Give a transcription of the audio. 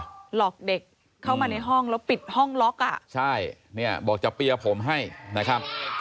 หลอกเด็กเข้ามาในห้องแล้วปิดห้องล็อกอ่ะใช่เนี่ยบอกจะเปียร์ผมให้นะครับ